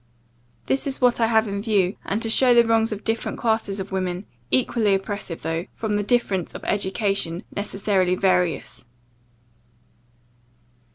This is what I have in view; and to show the wrongs of different classes of women, equally oppressive, though, from the difference of education, necessarily various.